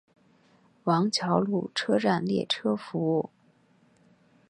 王桥路车站列车服务。